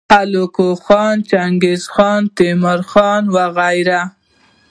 هلاکو خان، چنګیزخان، تیمورخان وغیره